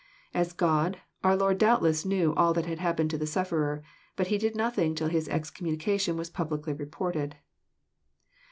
As God, our Lord doubtless knew all that happened to the sufferer, but He did nothing till his excommunication was pub licly reported.